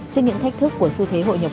trên những thách thức của xu thế hội nhập